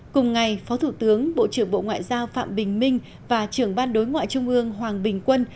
cùng ngày phó thủ tướng bộ trưởng bộ ngoại giao phạm bình minh và trưởng ban đối ngoại trung ương hoàng bình quân